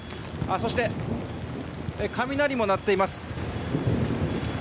そして、雷も鳴っています。